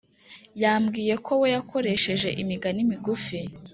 yambwiye ko we yakoresheje imigani migufi